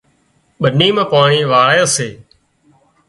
ٻني مان پاڻي واۯي سي